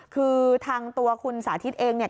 คือทางตัวคุณสาธิตเองเนี่ย